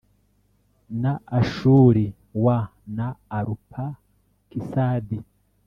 Na ashuri w na arupakisadi